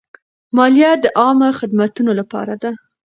مالیه د عامه خدمتونو لپاره ده.